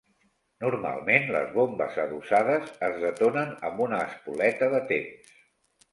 Normalment, les bombes adossades es detonen amb una espoleta de temps.